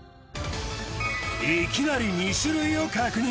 いきなり２種類を確認！